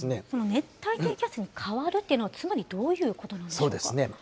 熱帯低気圧に変わるっていうのは、つまりどういうことなんでそうですね。